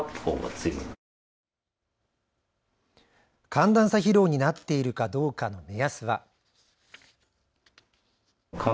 寒暖差疲労になっているかどうかの目安は。